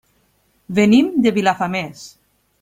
Venim de Vilafamés.